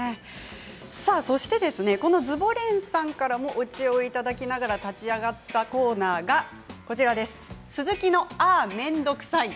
このズボ連さんからもお知恵をいただきながら立ち上がったコーナーが「鈴木のあーめんどくさい」